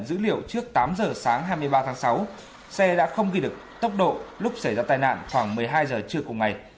dữ liệu trước tám giờ sáng hai mươi ba tháng sáu xe đã không ghi được tốc độ lúc xảy ra tai nạn khoảng một mươi hai giờ trưa cùng ngày